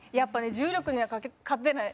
重力には勝てない。